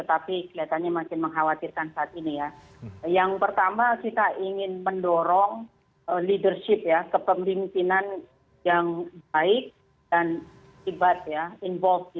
apa yang terjadi saat ini